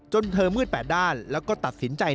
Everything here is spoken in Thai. เธอมืดแปดด้านแล้วก็ตัดสินใจ